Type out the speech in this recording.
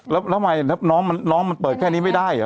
แล้วทำไมน้องมันเปิดแค่นี้ไม่ได้เหรอ